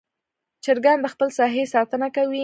چرګان د خپل ساحې ساتنه کوي.